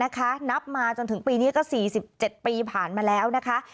นับมาจนถึงปีนี้ก็๔๗ปีผ่านมาแล้วนะคะ